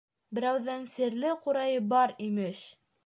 Берәүҙең серле ҡурайы бар, имеш!